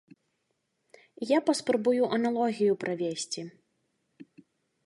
Я паспрабую аналогію правесці.